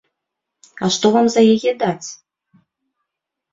А што вам за яе даць?